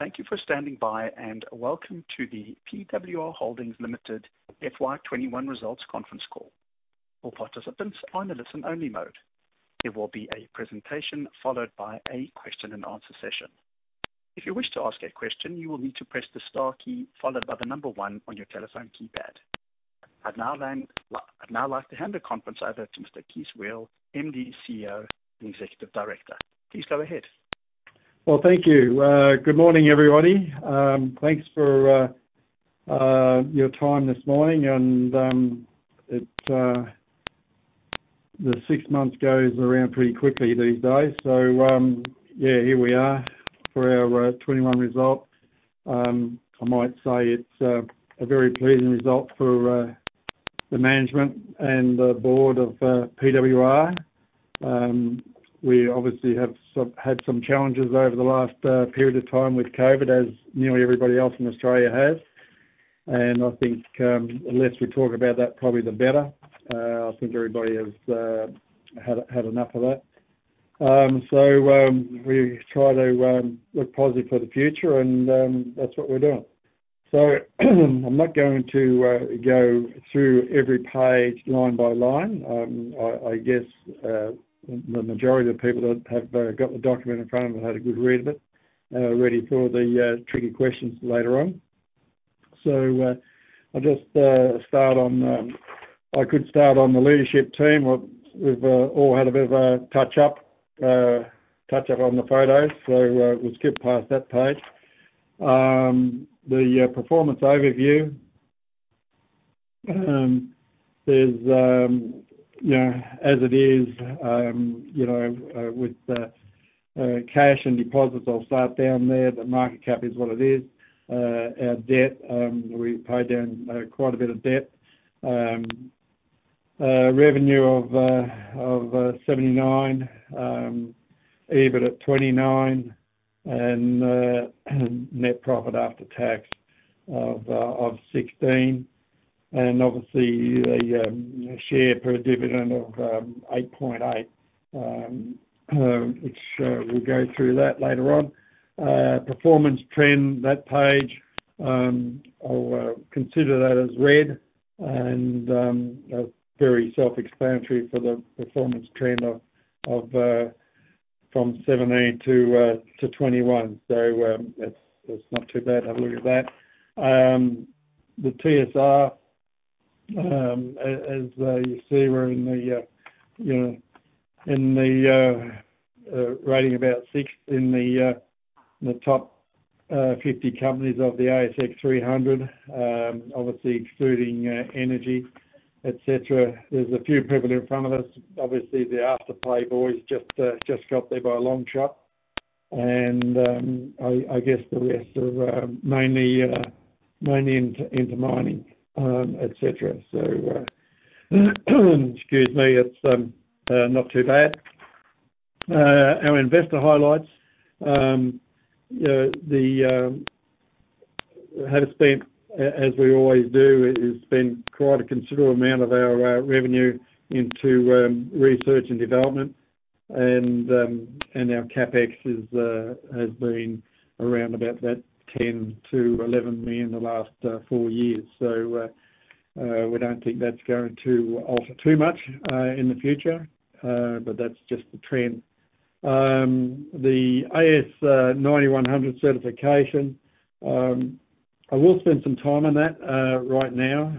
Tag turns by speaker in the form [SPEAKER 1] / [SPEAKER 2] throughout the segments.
[SPEAKER 1] Thank you for standing by, and welcome to the PWR Holdings Limited FY 2021 Results Conference Call. All participants are in a listen-only mode. There will be a presentation followed by a question and answer session. If you wish to ask a question, you will need to press the star key followed by the number 1 on your telephone keypad. I'd now like to hand the conference over to Mr Kees Weel, MD, CEO, and Executive Director. Please go ahead.
[SPEAKER 2] Well, thank you. Good morning, everybody. Thanks for your time this morning. The six months goes around pretty quickly these days. Here we are for our 2021 result. I might say it's a very pleasing result for the management and the Board of PWR. We obviously have had some challenges over the last period of time with COVID, as nearly everybody else in Australia has. I think the less we talk about that, probably the better. I think everybody has had enough of that. We try to look positive for the future, and that's what we're doing. I'm not going to go through every page line by line. I guess the majority of people have got the document in front of them and had a good read of it, ready for the tricky questions later on. I could start on the leadership team. We've all had a bit of a touch-up on the photos, so we'll skip past that page. The year performance overview. As it is with cash and deposits, I'll start down there. The market cap is what it is. Our debt, we paid down quite a bit of debt. Revenue of 79.2 Million, EBITDA at 29 million, and net profit after tax of 16.8 million, and obviously a share per dividend of 8.8, which we'll go through that later on. Performance trend, that page, I'll consider that as read and very self-explanatory for the performance trend from 2017-2021. It's not too bad having looked at that. The TSR, as you see, we're in the rating about sixth in the top 50 companies of the ASX 300, obviously excluding energy, et cetera. There's a few people in front of us. Obviously, the Afterpay boys just got there by a long shot. I guess the rest are mainly into mining, et cetera. Excuse me. It's not too bad. Our investor highlights. As we always do, is spend quite a considerable amount of our revenue into R&D. Our CapEx has been around about that 10 million-11 million the last four years. We don't think that's going to alter too much in the future. That's just the trend. The AS9100 certification, I will spend some time on that right now.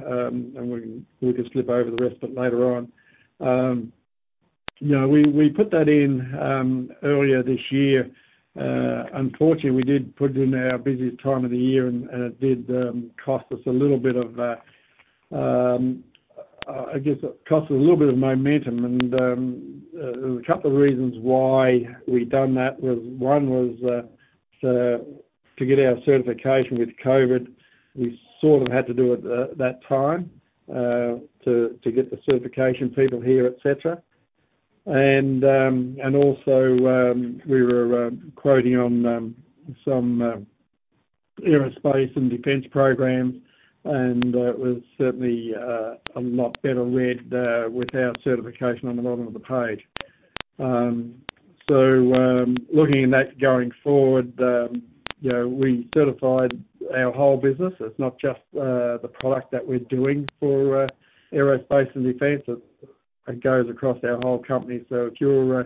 [SPEAKER 2] We can skip over the rest of it later on. We put that in earlier this year. Unfortunately, we did put it in our busiest time of the year, and it did cost us a little bit of momentum. There were a couple of reasons why we done that. One was to get our certification with COVID. We sort of had to do it that time to get the certification people here, et cetera. Also, we were quoting on some aerospace and defense programs, and it was certainly a lot better read with our certification on the bottom of the page. Looking at that going forward, we certified our whole business. It's not just the product that we're doing for aerospace and defense. It goes across our whole company. If you're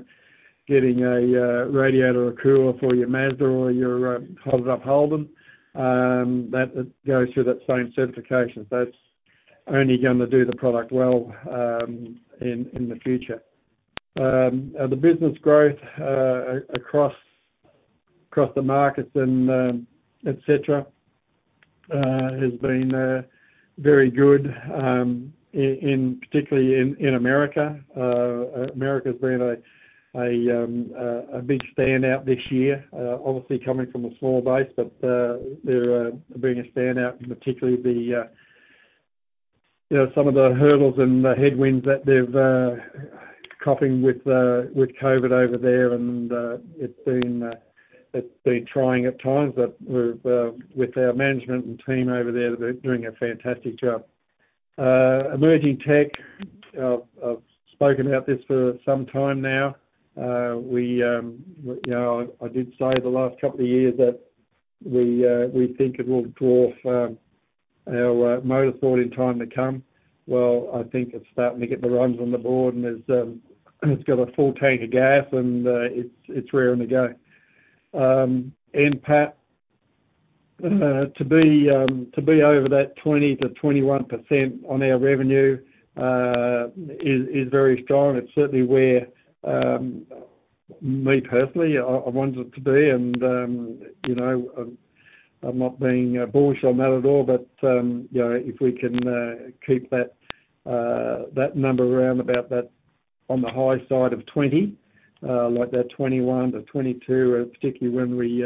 [SPEAKER 2] getting a radiator or cooler for your Mazda or your Holden, that goes through that same certification. That's only gonna do the product well in the future. The business growth across the markets and et cetera has been very good, particularly in America. America's been a big standout this year, obviously coming from a small base, they're being a standout, and particularly some of the hurdles and the headwinds that they're coping with COVID over there, and it's been trying at times. With our management and team over there, they're doing a fantastic job. Emerging Tech, I've spoken about this for some time now. I did say the last couple of years that we think it will dwarf our motorsports in time to come. I think it's starting to get the runs on the board, and it's got a full tank of gas and it's raring to go. NPAT, to be over that 20%-21% on our revenue is very strong. It's certainly where me personally, I want it to be. I'm not being bullish on that at all. If we can keep that number around about that on the high side of 20%, like that 21%-22%, particularly when we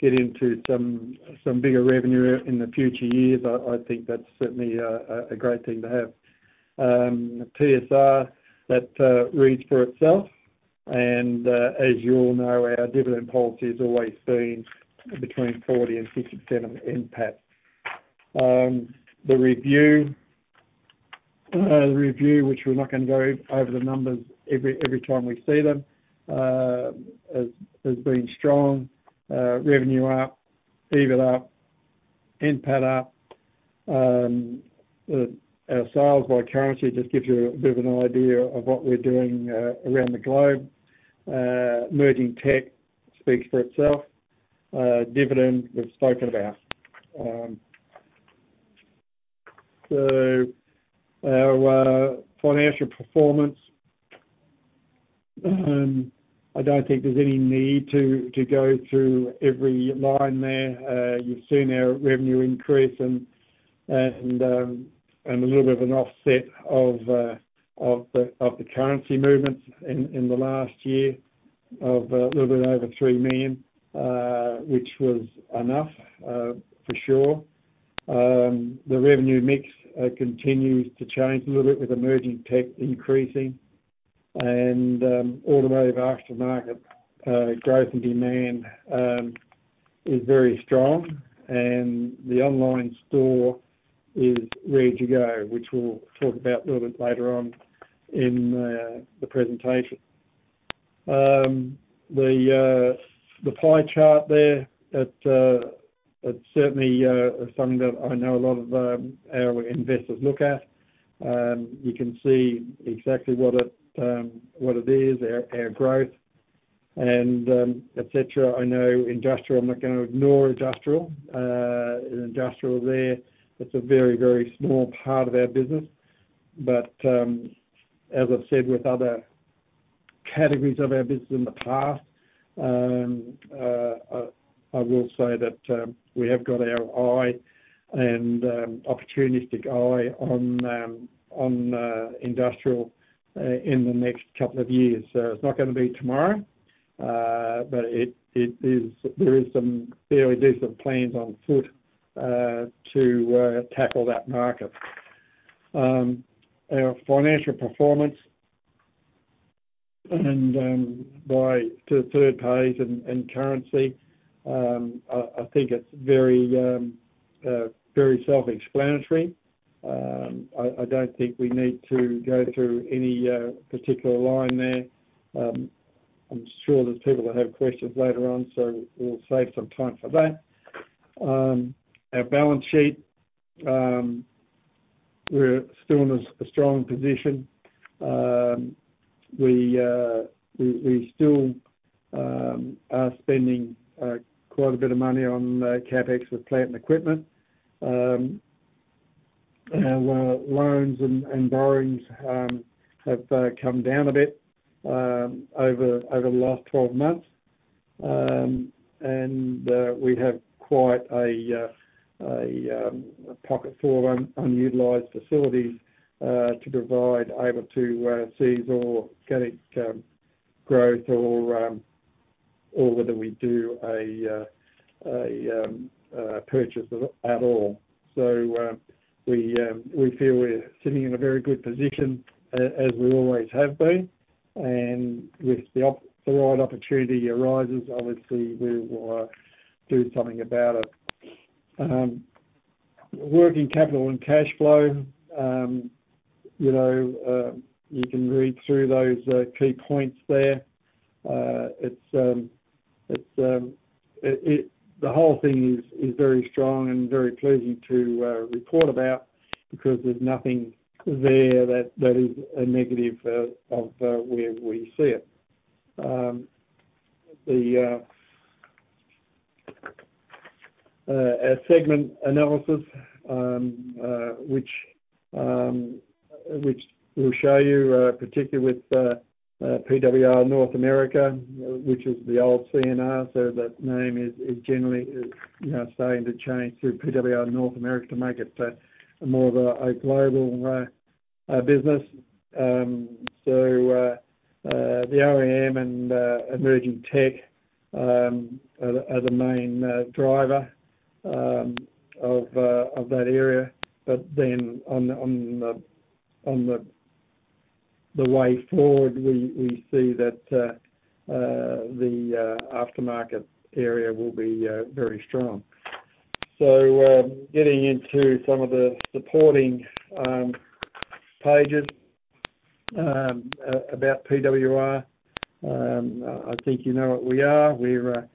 [SPEAKER 2] get into some bigger revenue in the future years, I think that's certainly a great thing to have. EPS, that reads for itself. As you all know, our dividend policy has always been between 40% and 57% NPAT. The review, which we're not going to go over the numbers every time we see them, has been strong. Revenue up, EBITDA up, NPAT up. Our sales by currency just gives you a bit of an idea of what we're doing around the globe. Emerging Tech speaks for itself. Dividend, we've spoken about. Our financial performance. I don't think there's any need to go through every line there. You've seen our revenue increase and a little bit of an offset of the currency movements in the last year of a little bit over 3 million, which was enough, for sure. The revenue mix continues to change a little bit with Emerging Tech increasing and Automotive Aftermarket growth and demand is very strong. The online store is raring to go, which we'll talk about a little bit later on in the presentation. The pie chart there, that's certainly something that I know a lot of our investors look at. You can see exactly what it is, our growth and et cetera. I know Industrial, I'm not going to ignore Industrial. In Industrial there, it's a very, very small part of our business. As I've said with other categories of our business in the past, I will say that we have got our eye and opportunistic eye on Industrial in the next couple of years. It's not going to be tomorrow, but there is some fairly decent plans on foot to tackle that market. Our financial performance by the third page and currency, I think it's very self-explanatory. I don't think we need to go through any particular line there. I'm sure there's people that have questions later on, so we'll save some time for that. Our balance sheet, we're still in a strong position. We still are spending quite a bit of money on CapEx with plant and equipment. Our loans and borrowings have come down a bit over the last 12 months. We have quite a pocket full of unutilized facilities to provide over to organic growth or whether we do a purchase at all. We feel we're sitting in a very good position as we always have been. If the right opportunity arises, obviously we will do something about it. Working capital and cash flow, you can read through those key points there. The whole thing is very strong and very pleasing to report about because there's nothing there that is a negative of where we sit. Our segment analysis, which we'll show you, particularly with PWR North America, which is the old C&R, so that name is generally starting to change to PWR North America to make it more of a global business. The OEM and Emerging Tech are the main driver of that area. On the way forward, we see that the aftermarket area will be very strong. Getting into some of the supporting pages about PWR. I think you know what we are. We're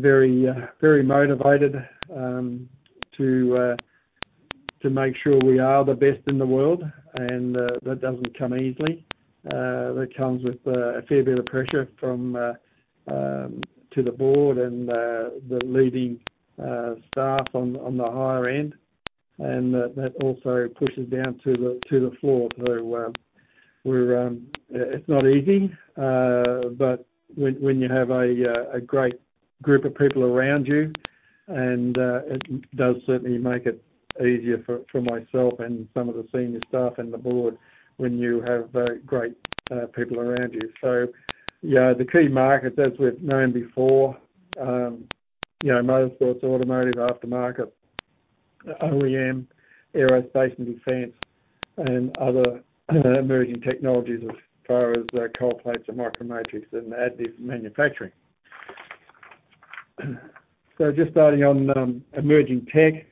[SPEAKER 2] very motivated to make sure we are the best in the world, and that doesn't come easily. That comes with a fair bit of pressure from the Board and the leading staff on the higher end. That also pushes down to the floor. It's not easy, but when you have a great group of people around you, it does certainly make it easier for myself and some of the senior staff and the Board when you have great people around you. The key markets as we've known before, Motorsports, Automotive Aftermarket, OEM, aerospace and defense, and other Emerging Technologies as far as cold plates and micro matrix and additive manufacturing. Just starting on Emerging Tech.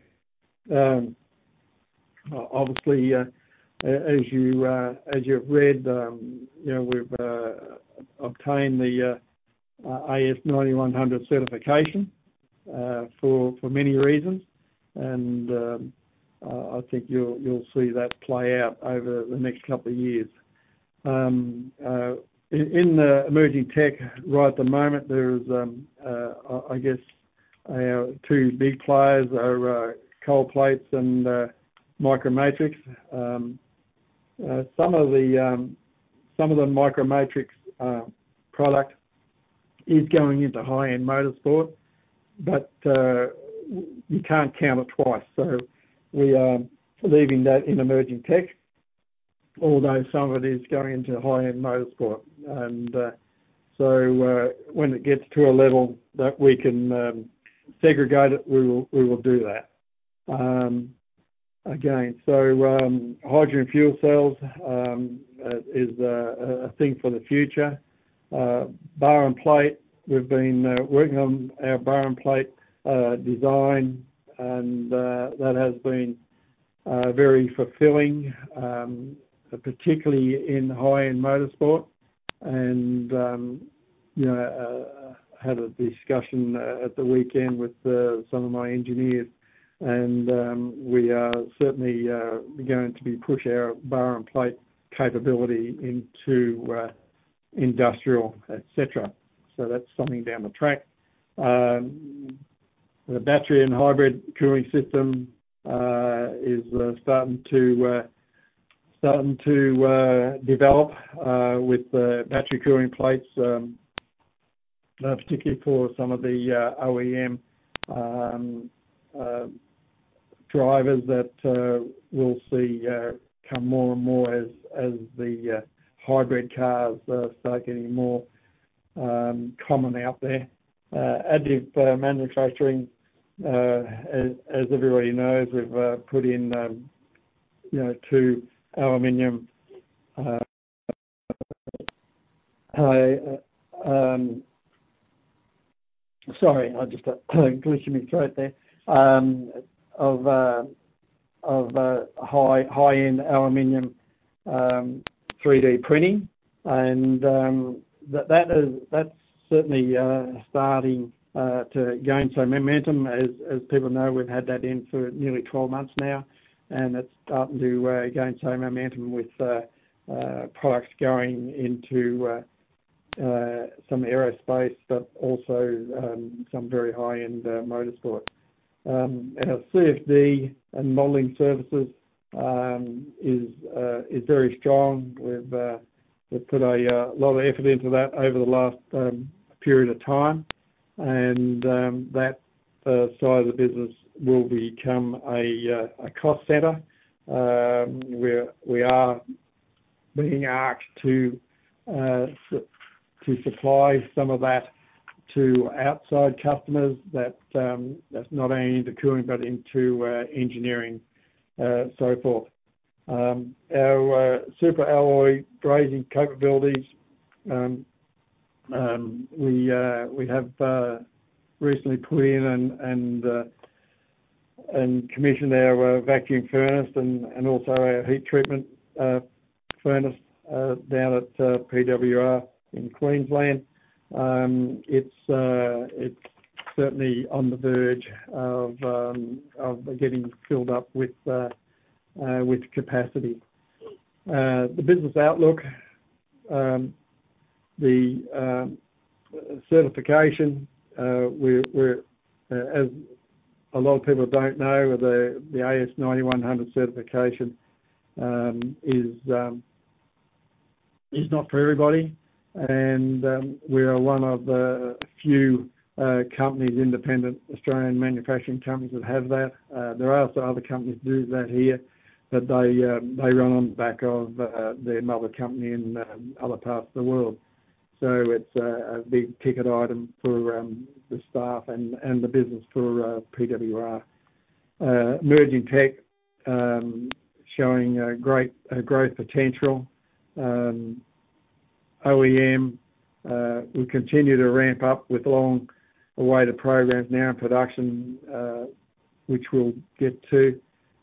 [SPEAKER 2] Obviously, as you've read, we've obtained the AS9100 certification for many reasons. I think you'll see that play out over the next couple of years. In Emerging Tech right at the moment, our two big players are cold plates and micro matrix. Some of the micro matrix product is going into high-end motorsport. You can't count it twice. We are leaving that in Emerging Tech. Although some of it is going into high-end motorsport. When it gets to a level that we can segregate it, we will do that. Again, hydrogen fuel cells is a thing for the future. Bar and plate, we've been working on our bar and plate design, and that has been very fulfilling, particularly in high-end motorsport. I had a discussion at the weekend with some of my engineers, we are certainly going to be pushing our bar and plate capability into Industrial, et cetera. That's something down the track. The battery and hybrid cooling system is starting to develop with the battery cooling plates, particularly for some of the OEM drivers that we'll see come more and more as the hybrid cars start getting more common out there. Additive manufacturing. As everybody knows, we've put in two aluminum of high-end aluminum 3D printing. That's certainly starting to gain some momentum. As people know, we've had that in for nearly 12 months now, and it's starting to gain some momentum with products going into some Aerospace, but also some very high-end Motorsport. Our CFD and modeling services is very strong. We've put a lot of effort into that over the last period of time. That side of the business will become a cost center, where we are being asked to supply some of that to outside customers that's not only into cooling but into engineering, so forth. Our superalloy brazing capabilities. We have recently put in and commissioned our vacuum furnace and also our heat treatment furnace down at PWR in Queensland. It's certainly on the verge of getting filled up with capacity. The business outlook. The certification. As a lot of people don't know, the AS9100 certification is not for everybody. We are one of the few companies, independent Australian manufacturing companies that have that. There are also other companies that do that here, but they run on the back of their mother company in other parts of the world. It's a big ticket item for the staff and the business for PWR. Emerging Tech showing great growth potential. OEM, we continue to ramp up with long awaited programs now in production, which we'll get to.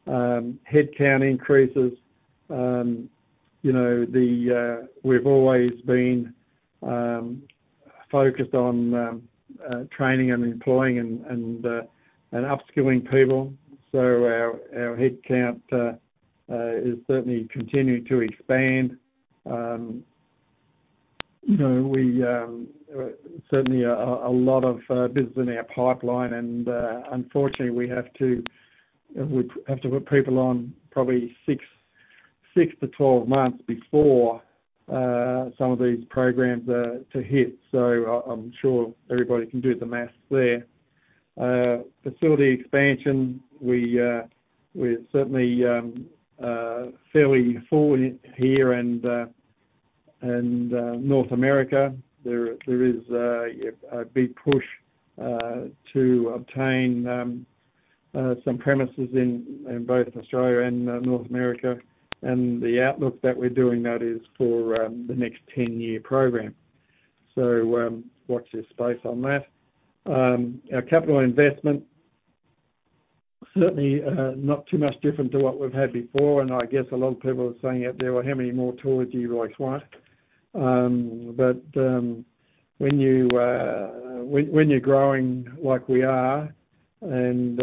[SPEAKER 2] Headcount increases. We've always been focused on training and employing and upskilling people. Our headcount is certainly continuing to expand. Certainly, a lot of business in our pipeline, and unfortunately, we have to put people on probably 6-12 months before some of these programs to hit. I'm sure everybody can do the math there. Facility expansion. We're certainly fairly full here in North America. There is a big push to obtain some premises in both Australia and North America. The outlook that we're doing that is for the next 10-year program. Watch this space on that. Our capital investment, certainly not too much different to what we've had before. I guess a lot of people are saying out there, "Well, how many more tools do you lot want?" When you're growing like we are and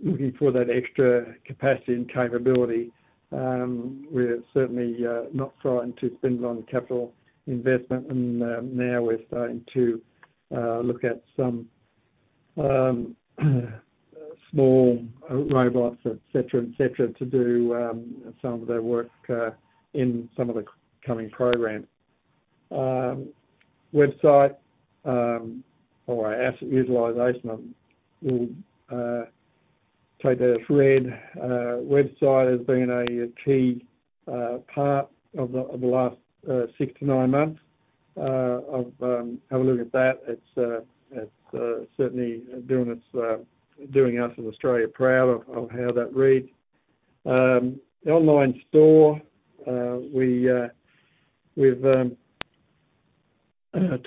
[SPEAKER 2] looking for that extra capacity and capability, we're certainly not frightened to spend on capital investment. Now we're starting to look at some small robots, et cetera, to do some of the work in some of the coming programs. Website or asset utilization. We'll take the red website as being a key part of the last six to nine months. Have a look at that. It's certainly doing us in Australia proud of how that reads. The online store, we've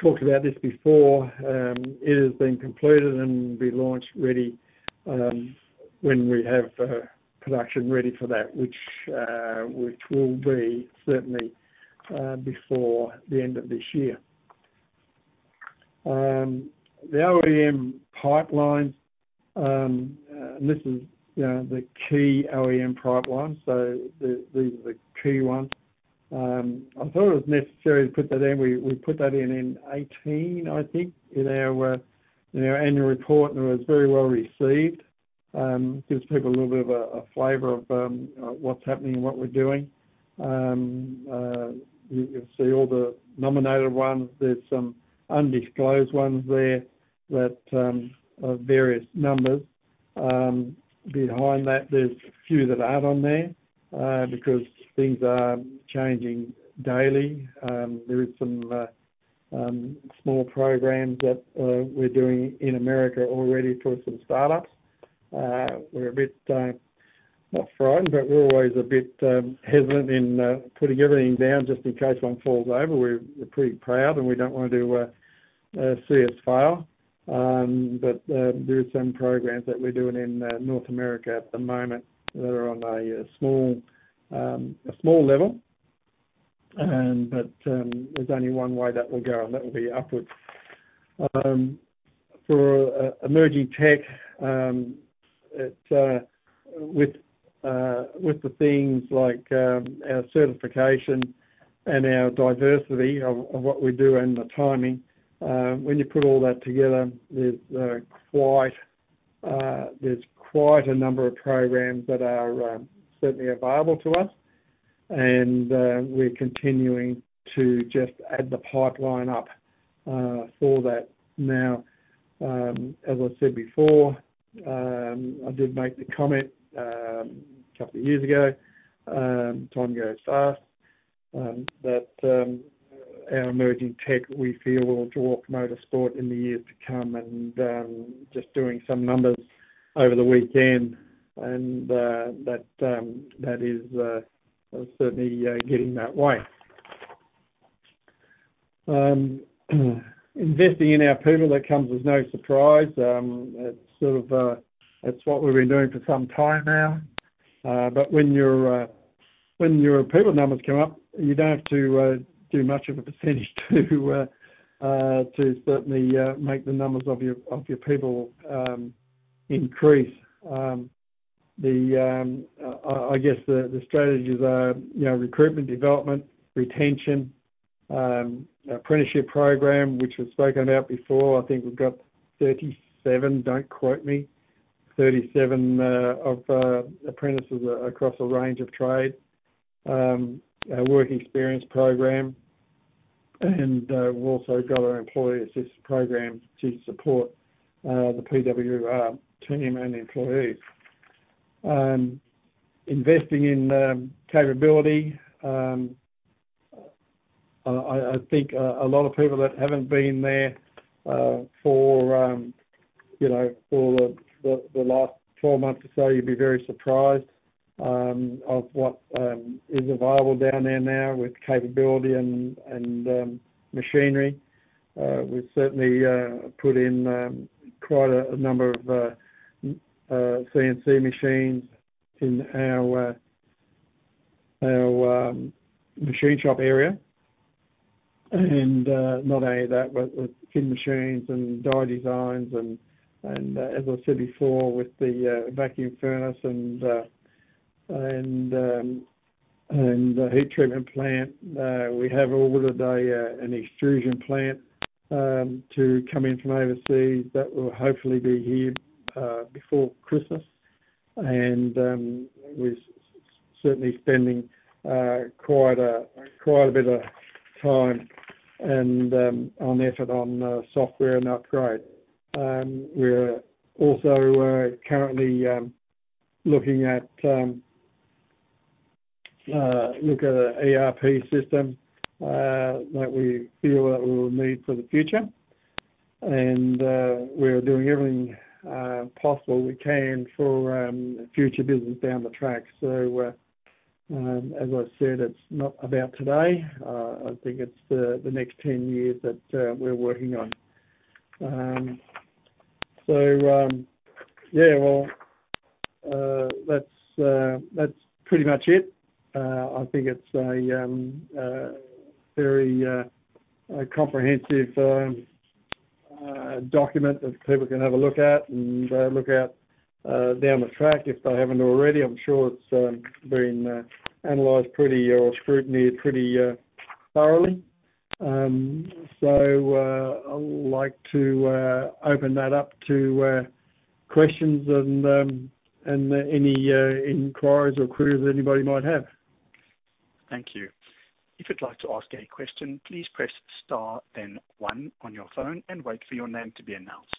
[SPEAKER 2] talked about this before. It has been completed and will be launched ready when we have production ready for that, which will be certainly before the end of this year. The OEM pipeline, and this is the key OEM pipeline, so these are the key ones. I thought it was necessary to put that in. We put that in in 2018, I think, in our annual report, and it was very well-received. It gives people a little bit of a flavor of what's happening and what we're doing. You'll see all the nominated ones. There's some undisclosed ones there that are various numbers. Behind that, there's a few that aren't on there, because things are changing daily. There is some small programs that we're doing in America already for some startups. We're a bit, not frightened, but we're always a bit hesitant in putting everything down just in case one falls over. We're pretty proud, and we don't want to see us fail. There is some programs that we're doing in North America at the moment that are on a small level. There's only one way that will go, and that will be upwards. For Emerging Tech, with the things like our certification and our diversity of what we do and the timing, when you put all that together, there's quite a number of programs that are certainly available to us, and we're continuing to just add the pipeline up for that now. As I said before, I did make the comment a couple of years ago, time goes fast, that our emerging tech, we feel, will dwarf motorsport in the years to come. Just doing some numbers over the weekend, and that is certainly getting that way. Investing in our people, that comes as no surprise. It's what we've been doing for some time now. When your people numbers come up, you don't have to do much of a percentage to certainly make the numbers of your people increase. I guess the strategies are recruitment, development, retention, apprenticeship program, which was spoken about before. I think we've got 37, don't quote me, 37 apprentices across a range of trades. Our work experience program. We've also got our employee assistance program to support the PWR team and employees. Investing in capability. I think a lot of people that haven't been there for the last 12 months or so, you'd be very surprised of what is available down there now with capability and machinery. We've certainly put in quite a number of CNC machines in our machine shop area. Not only that, but with fin machines and die designs and, as I said before, with the vacuum furnace and the heat treatment plant, we have ordered an extrusion plant to come in from overseas that will hopefully be here before Christmas. We're certainly spending quite a bit of time and effort on software and upgrade. We're also currently looking at an ERP system that we feel that we'll need for the future. We're doing everything possible we can for future business down the track. As I said, it's not about today. I think it's the next 10 years that we're working on. Yeah, well, that's pretty much it. I think it's a very comprehensive document that people can have a look at and look at down the track if they haven't already. I'm sure it's been analyzed or scrutinized pretty thoroughly. I'd like to open that up to questions and any inquiries or queries that anybody might have.
[SPEAKER 1] Thank you. If you'd like to ask a question please press star and one on your phone and wait for your name to be announced.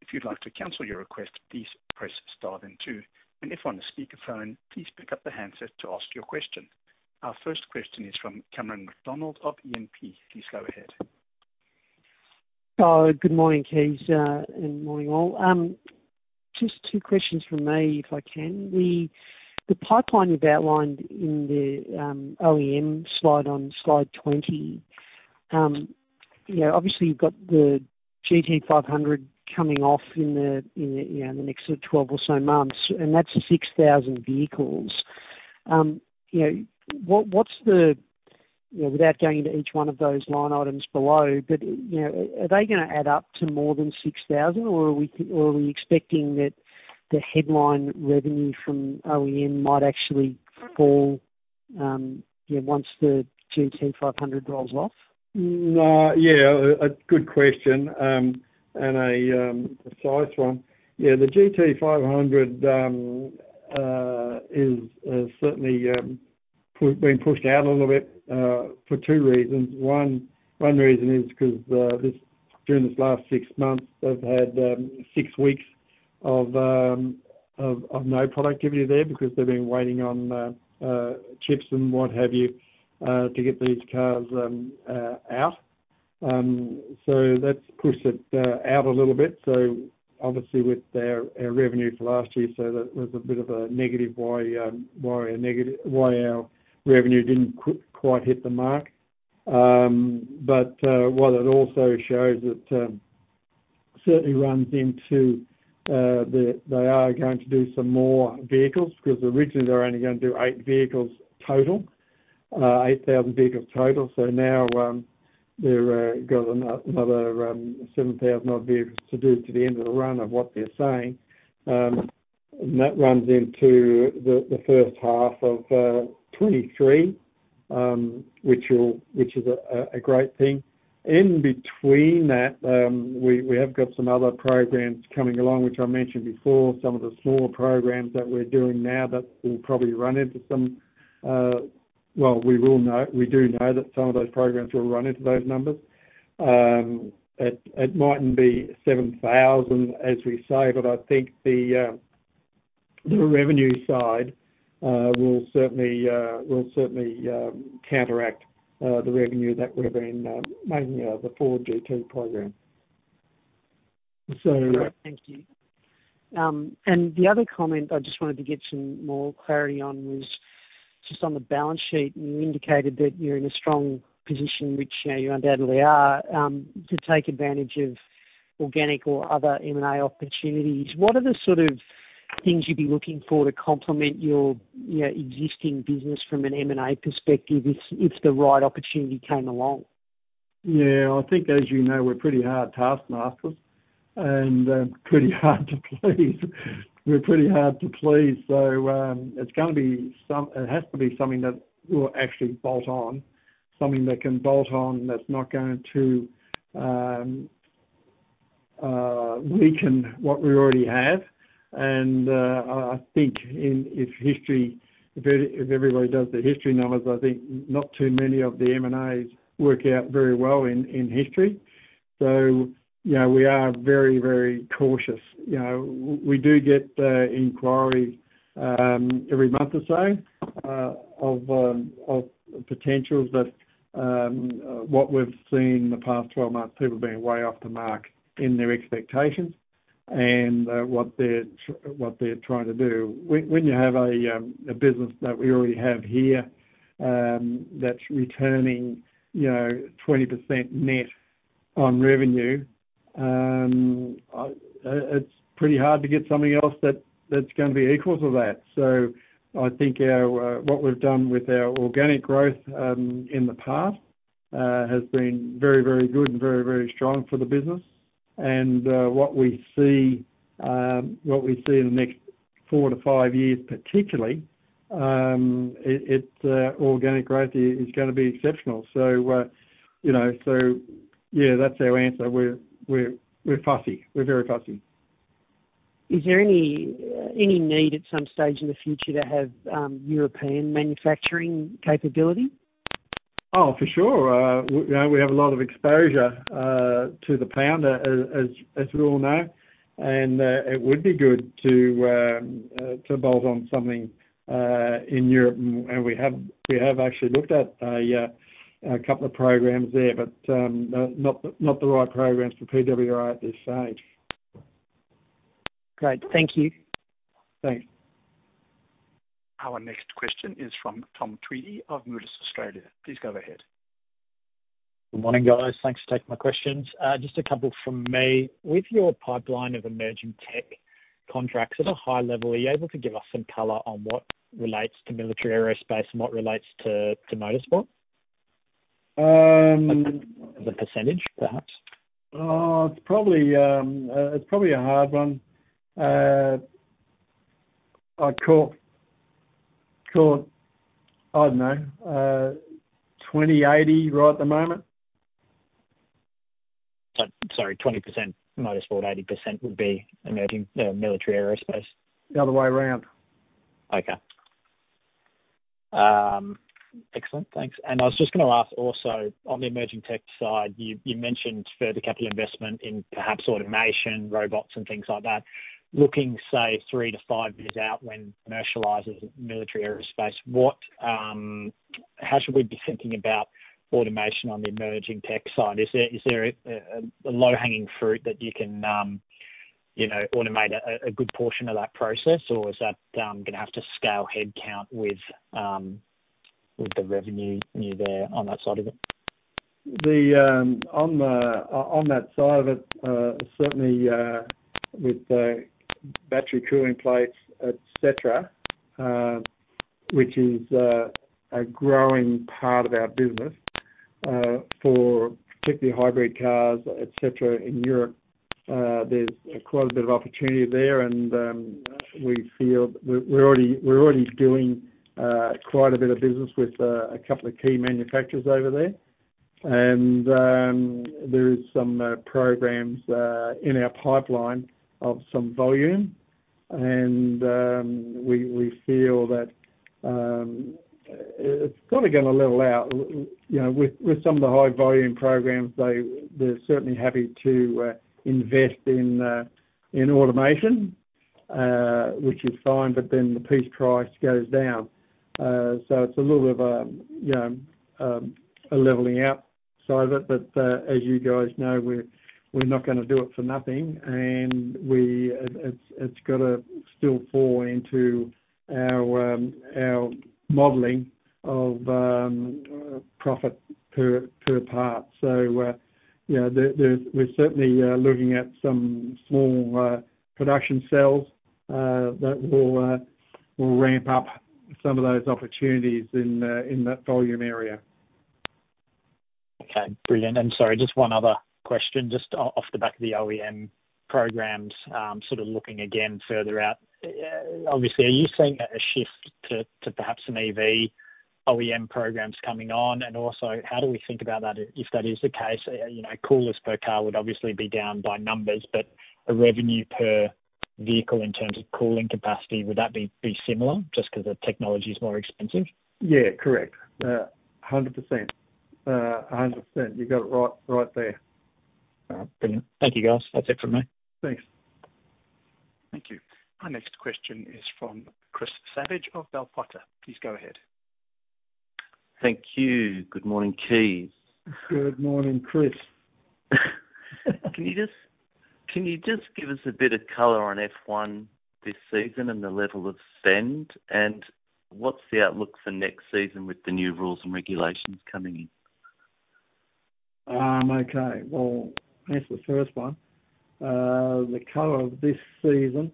[SPEAKER 1] If you'd like to cancel your request please press star then two. And if on the speaker phone please pick the headset to ask your question. Our first question is from Cameron McDonald of E&P. Please go ahead.
[SPEAKER 3] Good morning, Kees, and morning all. Just two questions from me, if I can. The pipeline you've outlined in the OEM slide on slide 20. Obviously, you've got the GT500 coming off in the next 12 or so months, and that's 6,000 vehicles. Without going into each one of those line items below, are they going to add up to more than 6,000, or are we expecting that the headline revenue from OEM might actually fall once the GT500 rolls off?
[SPEAKER 2] No. Yeah, a good question, and a precise one. The GT500 has certainly been pushed out a little bit for two reasons. One reason is because during this last six months, they've had six weeks of no productivity there because they've been waiting on chips and what have you, to get these cars out. That's pushed it out a little bit. Obviously, with our revenue for last year or so, that was a bit of a negative why our revenue didn't quite hit the mark. What it also shows it certainly runs into, they are going to do some more vehicles, because originally they were only going to do eight vehicles total, 8,000 vehicles total. Now they've got another 7,000 odd vehicles to do to the end of the run of what they're saying. That runs into the first half of 2023, which is a great thing. In between that, we have got some other programs coming along, which I mentioned before, some of the smaller programs that we're doing now. Well, we do know that some of those programs will run into those numbers. It mightn't be 7,000 as we say, but I think the revenue side will certainly counteract the revenue that would have been mainly the Ford GT program.
[SPEAKER 3] Thank you. The other comment I just wanted to get some more clarity on was just on the balance sheet, and you indicated that you're in a strong position, which you undoubtedly are, to take advantage of organic or other M&A opportunities. What are the sort of things you'd be looking for to complement your existing business from an M&A perspective if the right opportunity came along?
[SPEAKER 2] Yeah. I think, as you know, we're pretty hard taskmasters and pretty hard to please. We're pretty hard to please. It has to be something that will actually bolt on, something that can bolt on, that's not going to weaken what we already have. I think if everybody does the history numbers, I think not too many of the M&As work out very well in history. We are very cautious. We do get inquiries every month or so, of potentials that what we've seen in the past 12 months, people being way off the mark in their expectations and what they're trying to do. When you have a business that we already have here, that's returning 20% net on revenue, it's pretty hard to get something else that's going to be equal to that. I think what we've done with our organic growth in the past has been very, very good and very, very strong for the business. What we see in the next four to five years, particularly, its organic growth is going to be exceptional. Yeah, that's our answer. We're fussy. We're very fussy.
[SPEAKER 3] Is there any need at some stage in the future to have European manufacturing capability?
[SPEAKER 2] Oh, for sure. We have a lot of exposure to the pound, as we all know. It would be good to bolt on something in Europe. We have actually looked at a couple of programs there, but not the right programs for PWR at this stage.
[SPEAKER 3] Great. Thank you.
[SPEAKER 2] Thanks.
[SPEAKER 1] Our next question is from Tom Tweedie of Moelis Australia. Please go ahead.
[SPEAKER 4] Good morning, guys. Thanks for taking my questions. Just a couple from me. With your pipeline of Emerging Tech contracts, at a high level, are you able to give us some color on what relates to Military Aerospace and what relates to Motorsport?
[SPEAKER 2] Um-
[SPEAKER 4] As a percentage, perhaps.
[SPEAKER 2] It's probably a hard one. I'd call it, I don't know, 20% 80% right at the moment.
[SPEAKER 4] Sorry, 20% Motorsport, 80% would be Military Aerospace.
[SPEAKER 2] The other way around.
[SPEAKER 4] Okay. Excellent. Thanks. I was just going to ask also, on the emerging tech side, you mentioned further capital investment in perhaps automation, robots, and things like that. Looking, say, three to five years out when commercializes military aerospace, how should we be thinking about automation on the Emerging Tech side? Is there a low-hanging fruit that you can automate a good portion of that process, or is that going to have to scale headcount with the revenue there on that side of it?
[SPEAKER 2] On that side of it, certainly, with the battery cooling plates, et cetera, which is a growing part of our business for particularly hybrid cars, et cetera, in Europe. There's quite a bit of opportunity there, and we're already doing quite a bit of business with a couple of key manufacturers over there. There is some programs in our pipeline of some volume, and we feel that it's sort of going to level out. With some of the high-volume programs, they're certainly happy to invest in automation, which is fine, but then the piece price goes down. It's a little of a leveling out side of it. As you guys know, we're not going to do it for nothing. It's got to still fall into our modeling of profit per part. We're certainly looking at some small production cells that will ramp up some of those opportunities in that volume area.
[SPEAKER 4] Okay, brilliant. Sorry, just one other question. Just off the back of the OEM programs, sort of looking again further out. Obviously, are you seeing a shift to perhaps some EV OEM programs coming on? Also, how do we think about that if that is the case? Coolers per car would obviously be down by numbers, but a revenue per vehicle in terms of cooling capacity, would that be similar just because the technology is more expensive?
[SPEAKER 2] Yeah, correct. 100%. You got it right there.
[SPEAKER 4] All right. Brilliant. Thank you, guys. That's it from me.
[SPEAKER 2] Thanks.
[SPEAKER 1] Thank you. Our next question is from Chris Savage of Bell Potter. Please go ahead.
[SPEAKER 5] Thank you. Good morning, Kees.
[SPEAKER 2] Good morning, Chris.
[SPEAKER 5] Can you just give us a bit of color on F1 this season and the level of spend, and what's the outlook for next season with the new rules and regulations coming in?
[SPEAKER 2] Okay. Well, answer the first one. The color of this season,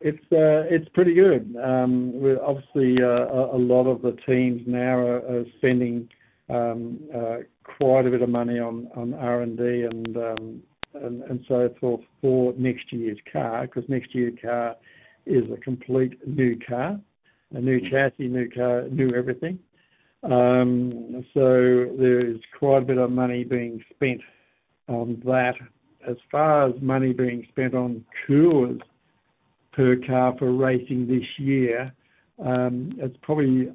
[SPEAKER 2] it's pretty good. Obviously, a lot of the teams now are spending quite a bit of money on R&D and so forth for next year's car, because next year's car is a complete new car. A new chassis, new car, a new everything. There is quite a bit of money being spent on that. As far as money being spent on coolers per car for racing this year, it's probably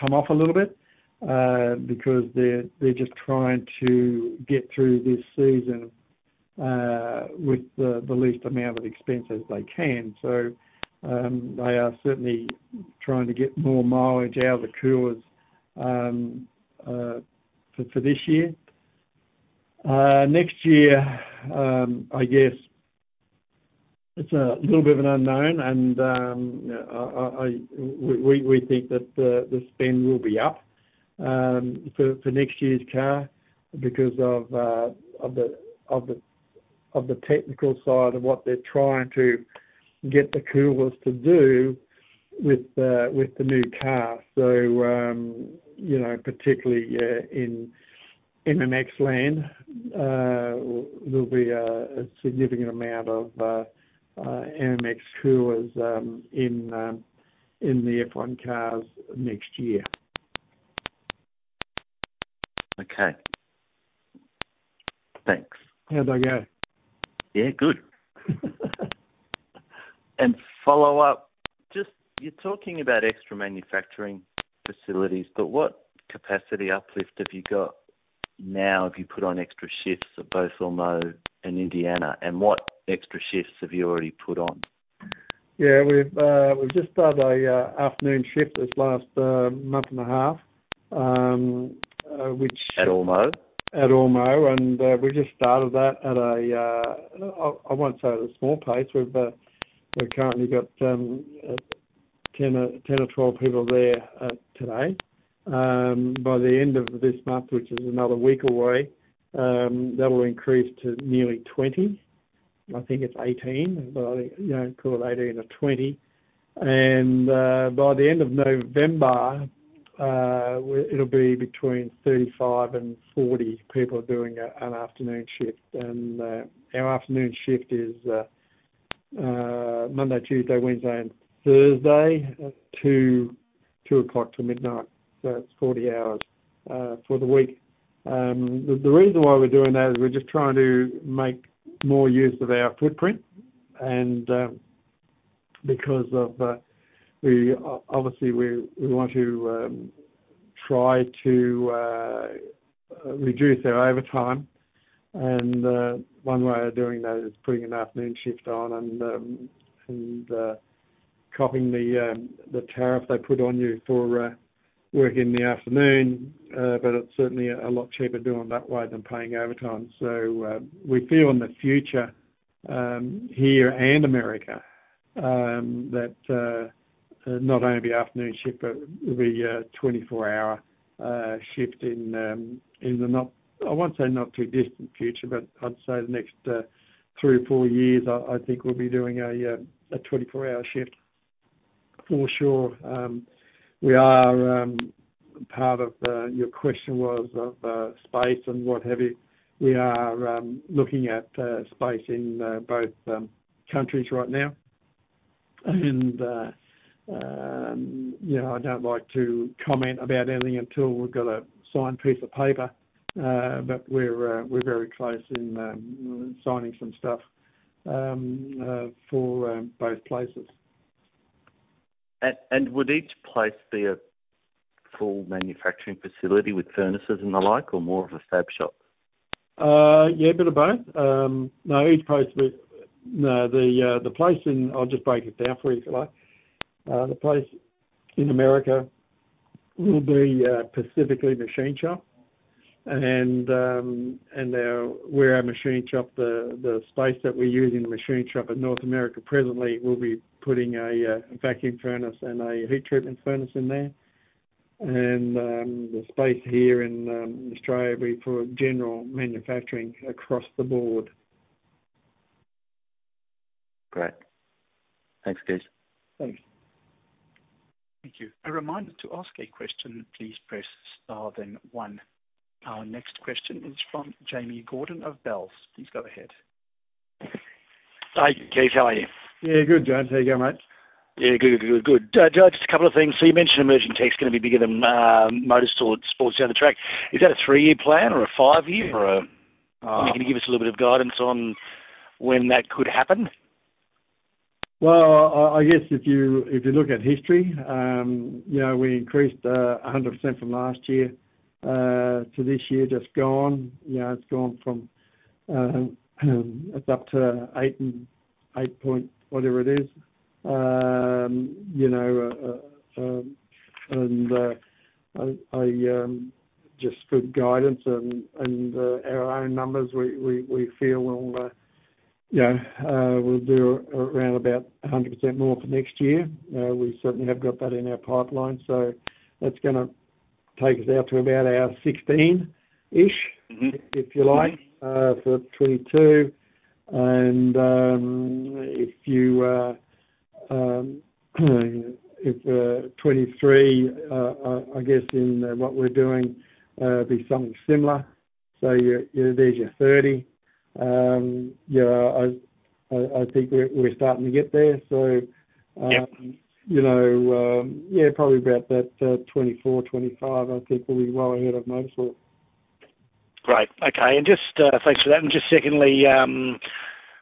[SPEAKER 2] come off a little bit, because they're just trying to get through this season with the least amount of expense as they can. They are certainly trying to get more mileage out of the coolers for this year. Next year, I guess, it's a little bit of an unknown, and we think that the spend will be up for next year's car because of the technical side of what they're trying to get the coolers to do with the new car. Particularly in MX land, there'll be a significant amount of MX coolers in the F1 cars next year.
[SPEAKER 5] Okay. Thanks.
[SPEAKER 2] How'd that go?
[SPEAKER 5] Yeah, good. Follow up, you're talking about extra manufacturing facilities, what capacity uplift have you got now if you put on extra shifts at both Ormeau and Indiana? What extra shifts have you already put on?
[SPEAKER 2] Yeah, we've just started a afternoon shift this last month and a half.
[SPEAKER 5] At Ormeau?
[SPEAKER 2] At Ormeau, we just started that at a, I won't say at a small pace. We've currently got 10 or 12 people there today. By the end of this month, which is another week away, that will increase to nearly 20. I think it's 18, but I think call it 18 or 20. By the end of November, it'll be between 35 and 40 people doing an afternoon shift. Our afternoon shift is Monday, Tuesday, Wednesday, and Thursday, 2:00 P.M. to midnight. That's 40 hours for the week. The reason why we're doing that is we're just trying to make more use of our footprint and because obviously we want to try to reduce our overtime and, one way of doing that is putting an afternoon shift on and copping the tariff they put on you for working in the afternoon. It's certainly a lot cheaper doing it that way than paying overtime. We feel in the future, here and America, that, not only will be afternoon shift, but it'll be a 24-hour shift in the, I won't say not too distant future, but I'd say the next three or four years, I think we'll be doing a 24-hour shift for sure. Part of your question was of space and what have you. We are looking at space in both countries right now. I don't like to comment about anything until we've got a signed piece of paper. We're very close in signing some stuff for both places.
[SPEAKER 5] Would each place be a full manufacturing facility with furnaces and the like or more of a fab shop?
[SPEAKER 2] Yeah, a bit of both. I'll just break it down for you if you like. The place in America will be specifically machine shop and now where our machine shop, the space that we use in the machine shop in North America presently, we'll be putting a vacuum furnace and a heat treatment furnace in there. The space here in Australia will be for general manufacturing across the board.
[SPEAKER 5] Great. Thanks, Kees.
[SPEAKER 2] Thanks.
[SPEAKER 1] Thank you. A reminder to ask a question, please press star then one. Our next question is from Jamie Gordon of Bells. Please go ahead.
[SPEAKER 6] Hi, Kees. How are you?
[SPEAKER 2] Yeah, good, Jamie. How you going, mate?
[SPEAKER 6] Yeah, good. Just a couple of things. You mentioned Emerging Tech's gonna be bigger than Motorsport, sports down the track. Is that a three-year plan or a five-year? Can you give us a little bit of guidance on when that could happen?
[SPEAKER 2] Well, I guess if you look at history, we increased 100% from last year, to this year just gone. It's up to 8 million point whatever it is. Just good guidance and our own numbers, we feel we'll do around about 100% more for next year. We certainly have got that in our pipeline. That's gonna take us out to about our 16 million-ish. if you like, for 2022. If 2023, I guess in what we're doing, be something similar. There's your 30 million. Yeah, I think we're starting to get there.
[SPEAKER 6] Yep
[SPEAKER 2] Yeah, probably about that 2024-2025, I think we'll be well ahead of Motorsport.
[SPEAKER 6] Great. Okay. Just, thanks for that. Just secondly,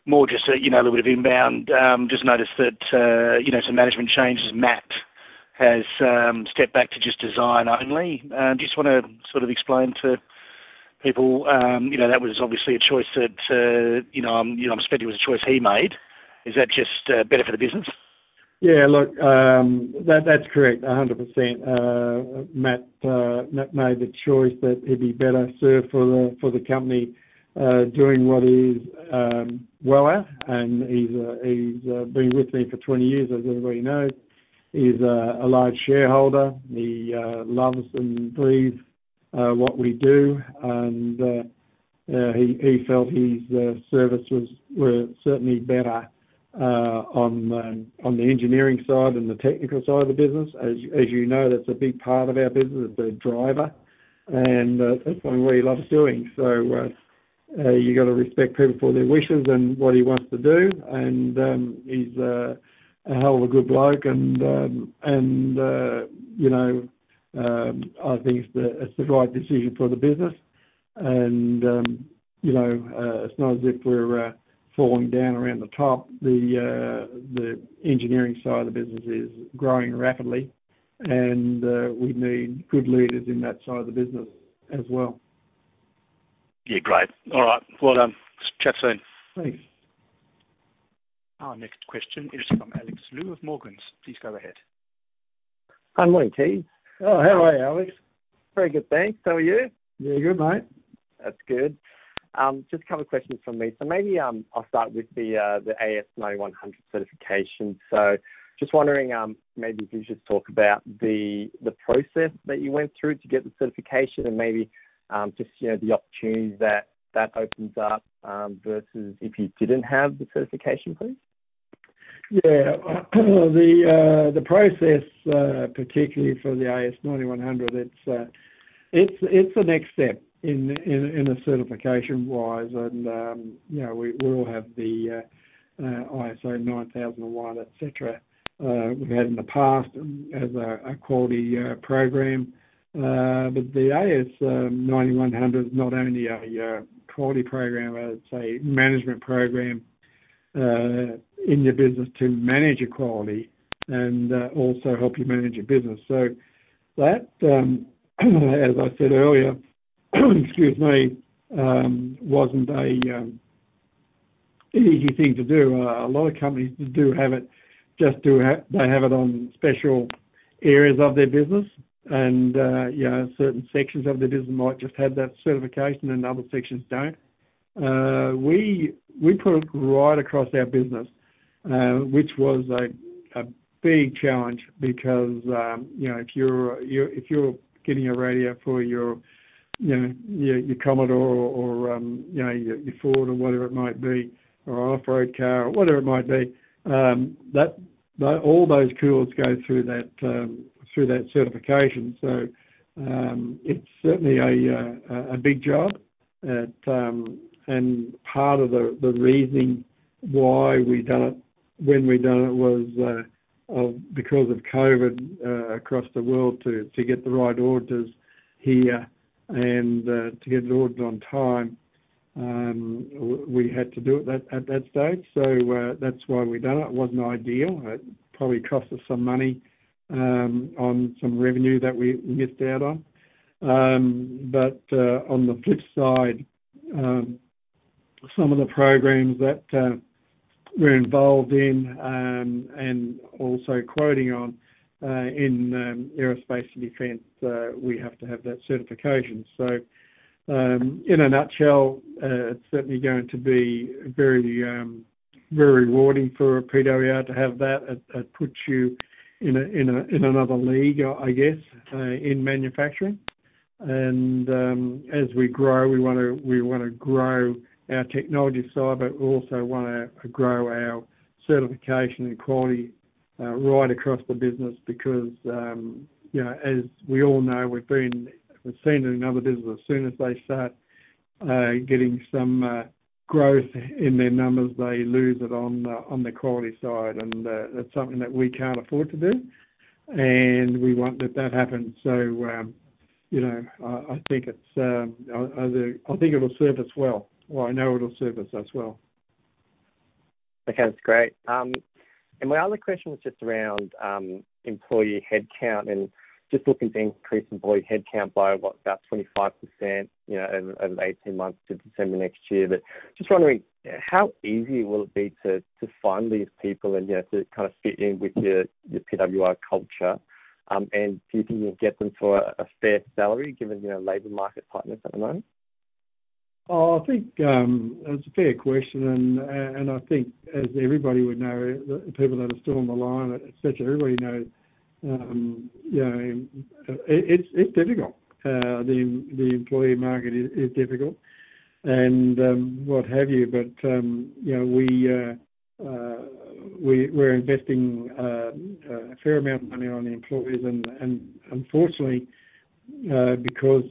[SPEAKER 6] more just a little bit of inbound, just noticed that some management changes, Matt has stepped back to just design only. Just want to sort of explain to people, that was obviously a choice that, I'm assuming it was a choice he made. Is that just better for the business?
[SPEAKER 2] Yeah. Look, that's correct 100%. Matt made the choice that he'd be better served for the company doing what he's well at. He's been with me for 20 years, as everybody knows. He's a large shareholder. He loves and breathes what we do, and he felt his services were certainly better on the engineering side and the technical side of the business. As you know, that's a big part of our business, the driver, and that's something he loves doing. You got to respect people for their wishes and what he wants to do. He's a hell of a good bloke, and I think it's the right decision for the business. It's not as if we're falling down around the top. The engineering side of the business is growing rapidly, and we need good leaders in that side of the business as well.
[SPEAKER 6] Yeah, great. All right. Well done. Chat soon.
[SPEAKER 2] Thanks.
[SPEAKER 1] Our next question is from Alexander Lu of Morgans. Please go ahead.
[SPEAKER 7] Hi, morning to you.
[SPEAKER 2] Oh, how are you, Alex?
[SPEAKER 7] Very good, thanks. How are you?
[SPEAKER 2] Very good, mate.
[SPEAKER 7] That's good. Just a couple of questions from me. Maybe I'll start with the AS9100 certification. Just wondering, maybe if you could just talk about the process that you went through to get the certification and maybe just the opportunities that opens up, versus if you didn't have the certification, please.
[SPEAKER 2] Yeah. The process, particularly for the AS9100, it's a next step in a certification-wise. We all have the ISO 9001, et cetera, we've had in the past as a quality program. The AS9100 is not only a quality program, but it's a management program in your business to manage your quality and also help you manage your business. That, as I said earlier, wasn't a easy thing to do. A lot of companies do have it, just they have it on special areas of their business and certain sections of their business might just have that certification and other sections don't. We put it right across our business, which was a big challenge because, if you're getting a radio for your Commodore or your Ford or whatever it might be, or an off-road car or whatever it might be, all those cools go through that certification. It's certainly a big job. Part of the reasoning why we've done it, when we've done it was because of COVID, across the world to get the right auditors here and to get the audit on time. We had to do it at that stage. That's why we've done it. It wasn't ideal. It probably cost us some money on some revenue that we missed out on. On the flip side, some of the programs that we're involved in, and also quoting on, in aerospace and defense, we have to have that certification. In a nutshell, it's certainly going to be very rewarding for PWR to have that. It puts you in another league, I guess, in manufacturing. As we grow, we want to grow our technology side, but we also want to grow our certification and quality right across the business because as we all know, we've seen it in other businesses, as soon as they start getting some growth in their numbers, they lose it on the quality side. That's something that we can't afford to do, and we won't let that happen. I think it'll serve us well or I know it'll serve us well.
[SPEAKER 7] Okay. That's great. My other question was just around employee headcount and just looking to increase employee headcount by what? About 25%, over 18 months to December next year. Just wondering how easy will it be to find these people and to kind of fit in with your PWR culture? Do you think you'll get them for a fair salary given labor market tightness at the moment?
[SPEAKER 2] I think it's a fair question. I think as everybody would know, the people that are still on the line especially, everybody knows it's difficult. The employee market is difficult and what have you. We're investing a fair amount of money on the employees and unfortunately, because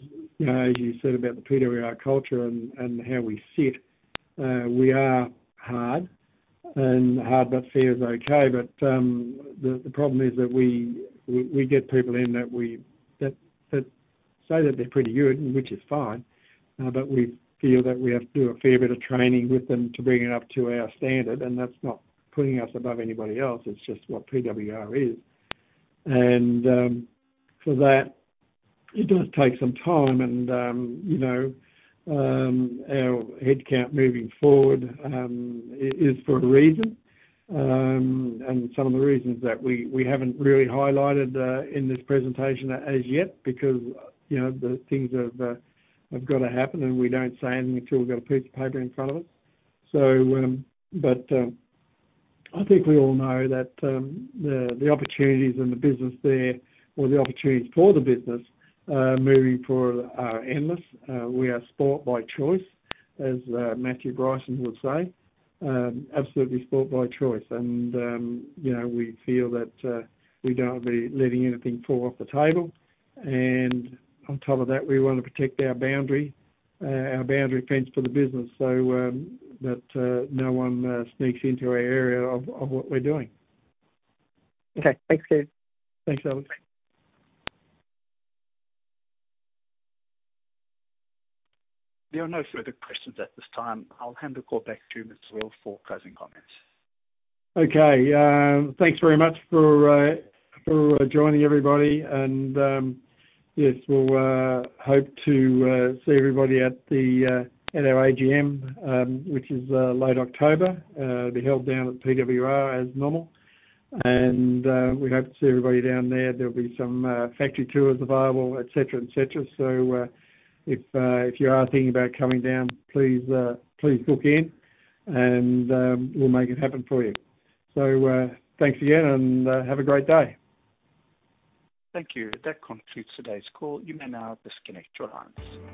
[SPEAKER 2] as you said about the PWR culture and how we sit, we are hard, but fair is okay. The problem is that we get people in that say that they're pretty good, which is fine, but we feel that we have to do a fair bit of training with them to bring it up to our standard. That's not putting us above anybody else, it's just what PWR is. For that, it does take some time and our headcount moving forward is for a reason. Some of the reasons that we haven't really highlighted in this presentation as yet, because the things have got to happen, and we don't say anything until we've got a piece of paper in front of us. I think we all know that the opportunities in the business there, or the opportunities for the business moving forward are endless. We are sport by choice, as Matthew Bryson would say, absolutely sport by choice. We feel that we don't be letting anything fall off the table. On top of that, we want to protect our boundary fence for the business, so that no one sneaks into our area of what we're doing.
[SPEAKER 7] Okay. Thanks, Kees.
[SPEAKER 2] Thanks, Alex.
[SPEAKER 1] There are no further questions at this time. I'll hand the call back to Mr. Weel for closing comments.
[SPEAKER 2] Thanks very much for joining, everybody. Yes, we'll hope to see everybody at our AGM, which is late October, be held down at PWR as normal. We hope to see everybody down there. There'll be some factory tours available, et cetera. If you are thinking about coming down, please book in and we'll make it happen for you. Thanks again, and have a great day.
[SPEAKER 1] Thank you. That concludes today's call. You may now disconnect your lines.